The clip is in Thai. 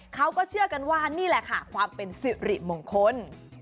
เขาก็เชื่อกันว่านี่แหละค่ะความเป็นสิริมงคล